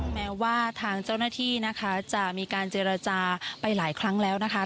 แม้ว่าทางเจ้าหน้าที่นะคะจะมีการเจรจาไปหลายครั้งแล้วนะคะ